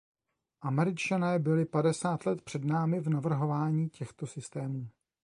Američané byli padesát let před námi v navrhování těchto systémů.